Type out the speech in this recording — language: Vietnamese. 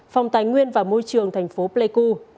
phòng tài nguyên và môi trường tp pleiku